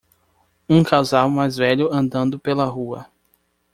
Um casal mais velho andando pela rua.